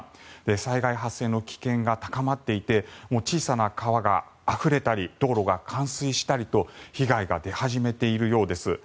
災害発生の危険が高まっていて小さな川があふれたり道路が冠水したりと被害が出始めているようです。